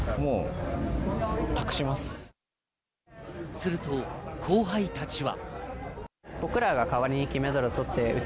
すると後輩たちは。